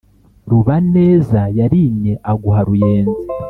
rubaneza yarimye aguha ruyenzi.